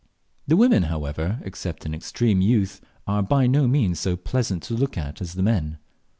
The women, however, except in extreme youth, are by no means so pleasant to look at as the men.